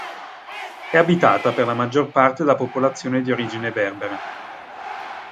È abitata per la maggior parte da popolazione di origine berbera.